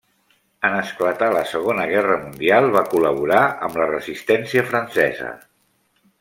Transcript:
En esclatar la segona guerra mundial va col·laborar amb la Resistència francesa.